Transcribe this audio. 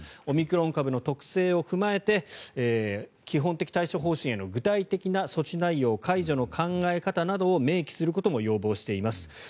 オミクロン株の特性を踏まえて基本的対処方針への具体的な措置内容解除の考え方などを明記することも要望しています。